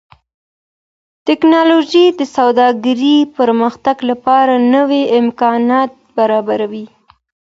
ټکنالوژي د سوداګرۍ پرمختګ لپاره نوي امکانات برابروي.